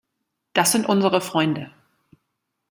Das sind unsere Freunde.